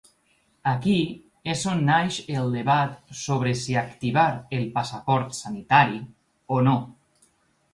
Aquí és on neix el debat sobre si activar el passaport sanitari o no.